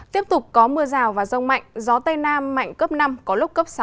tiếp tục có mưa rào và rông mạnh gió tây nam mạnh cấp năm có lúc cấp sáu